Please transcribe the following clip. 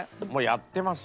やってます？